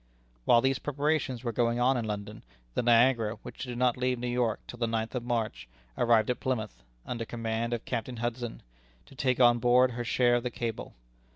While these preparations were going on in London, the Niagara, which did not leave New York till the ninth of March, arrived at Plymouth, under command of Captain Hudson, to take on board her share of the cable.